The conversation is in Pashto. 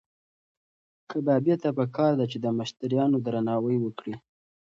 کبابي ته پکار ده چې د مشتریانو درناوی وکړي.